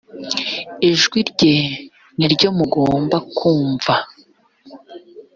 ijwi rye ni ryo mugomba kumva;